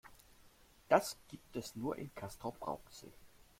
Das gibt es nur in Castrop-Rauxel